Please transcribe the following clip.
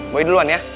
boy duluan ya